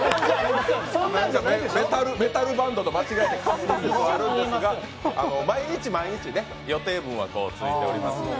メタルバンドと間違えて買っていますが毎日毎日、予定分は着いておりますので。